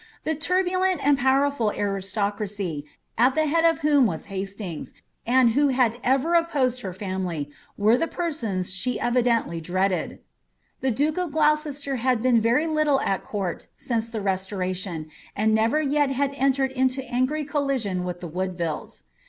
The turbulent and power ful aristocracy, at the head of whom was Hastings, and who had ever opposed her family, were the persons she evidently dreaded. The duke of Gloucester had been very little at court since the restoration, and never yet had entered into angry collision with the Woodvilles.